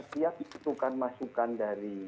setiap ditutupkan masukan dari